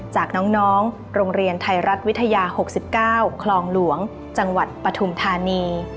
จากน้องโรงเรียนไทยรัฐวิทยา๖๙คลองหลวงจังหวัดปฐุมธานี